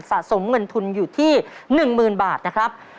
สะสมเงินทุนอยู่ที่๑๐๐๐บาทนะครับ